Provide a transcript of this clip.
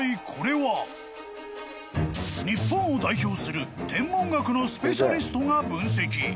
［日本を代表する天文学のスペシャリストが分析］